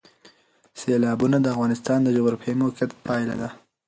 سیلابونه د افغانستان د جغرافیایي موقیعت پایله ده.